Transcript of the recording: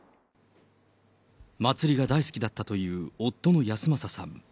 祭りが大好きだったという夫の康正さん。